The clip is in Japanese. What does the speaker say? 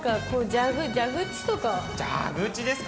蛇口ですか？